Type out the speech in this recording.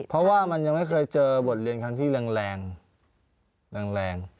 เพราะว่ามันยังไม่เคยเจอบทเรียนครั้งที่แรงแรง